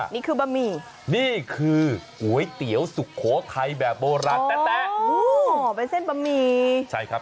นี่คือบะหมี่นี่คือก๋วยเตี๋ยวสุโขทัยแบบโบราณแต๊ะเป็นเส้นบะหมี่ใช่ครับ